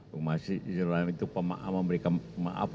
pemahaman itu pemaaf memberikan maaf